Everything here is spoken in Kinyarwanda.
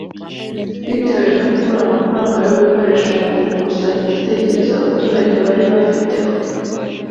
bitewe no kubura amafaranga yo gukoresha mu gukusanya ibitekerezo abaturage barifiteho